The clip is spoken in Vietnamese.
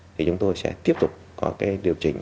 thì chúng tôi sẽ tiếp tục có cái điều chỉnh